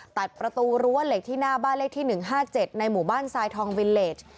ตัดประตูรั้วเหล็กที่หน้าบ้านเลขที่๑๕๗ในหมู่บ้านทรายทองวิลเลส